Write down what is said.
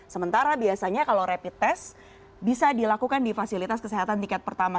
sementara biasanya kalau rapid test bisa dilakukan di fasilitas kesehatan tiket pertama